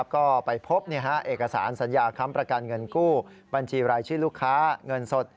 ก็ไปพบเอกสารสัญญาค้ำประกันเงินกู้บัญชีรายชื่อลูกค้าเงินสด